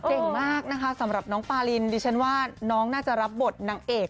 เก่งมากนะคะสำหรับน้องปารินดิฉันว่าน้องน่าจะรับบทนางเอก